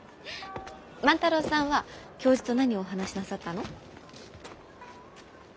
万太郎さんは教授と何をお話しなさったの？